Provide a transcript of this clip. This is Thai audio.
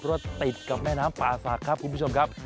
เพราะว่าติดกับแม่น้ำปาสักครับคุณผู้ชมครับ